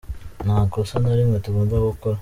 Nta kosa na rimwe tugomba gukora.